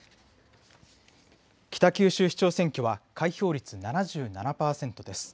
北九州市長選挙は開票率７７％です。